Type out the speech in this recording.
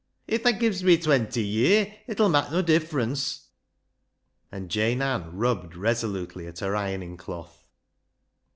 " If thaa gi'es me twenty ye'r, it 'ull mak' noa difference," and Jane Ann rubbed resolutely at her ironing cloth.